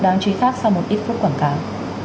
đáng truy phát sau một ít phút quảng cáo